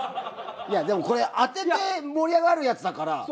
いやでもこれ当てて盛り上がるやつだから。